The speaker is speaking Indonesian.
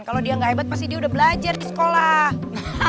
kalau dia nggak hebat pasti dia udah belajar di sekolah